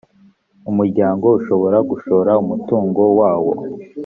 umuryango ushobora gushora umutungo wawo